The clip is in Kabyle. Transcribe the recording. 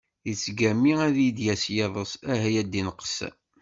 Yettgami ad yi-d-yas yiḍes, ah ya ddin qessam!